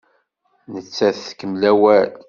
Nettat tkemmel awal.